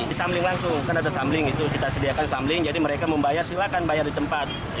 di samling langsung kan ada samling itu kita sediakan samling jadi mereka membayar silakan bayar di tempat